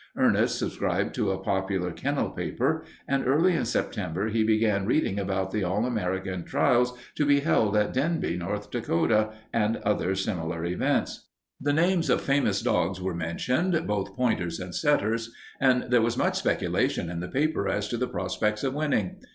Ernest subscribed to a popular kennel paper, and early in September he began reading about the All American trials to be held at Denbigh, North Dakota, and other similar events. The names of famous dogs were mentioned, both pointers and setters, and there was much speculation in the paper as to the prospects of winning.